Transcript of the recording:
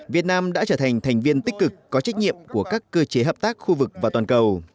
việt nam đã trở thành thành viên tích cực có trách nhiệm của các cơ chế hợp tác khu vực và toàn cầu